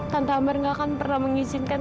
tante amber gak akan pernah mengizinkan